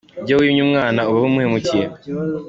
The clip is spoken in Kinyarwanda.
Iyo wimye umwana uba wihemukiye